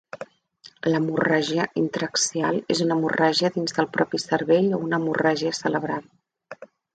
L'hemorràgia intra-axial és una hemorràgia dins del propi cervell o una hemorràgia cerebral.